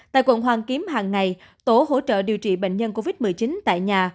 tại quận hoàn kiếm hàng ngày tổ hỗ trợ điều trị bệnh nhân covid một mươi chín tại nhà